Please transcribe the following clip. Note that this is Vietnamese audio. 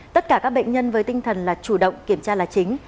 tất cả các bệnh nhân với tinh thần là chủ động kiểm tra là chính